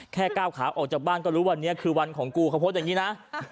แค่ก้าวขาออกจากบ้านก็รู้วันนี้คือวันของกูเขาโพสต์อย่างนี้นะ